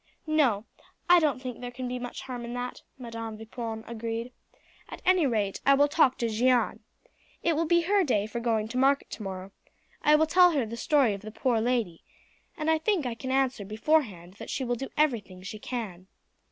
"No, I don't think there can be much harm in that," Madam Vipon agreed; "at any rate I will talk to Jeanne. It will be her day for going to market tomorrow; I will tell her the story of the poor lady, and I think I can answer beforehand that she will do everything she can."